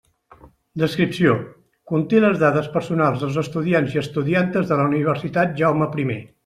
Descripció: conté les dades personals dels estudiants i estudiantes de la Universitat Jaume I.